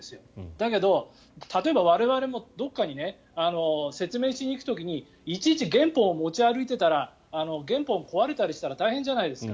だけど、例えば我々もどっかに説明しに行く時にいちいち原本を持ち歩いていたら原本が壊れたりしたら大変じゃないですか。